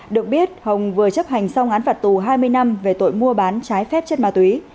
được biết hồng vừa chấp hành xong án phạt tù hai mươi năm về tội mua bán trái phép chất ma túy